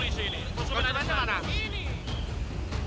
saya mau ajak ke kantor diri ini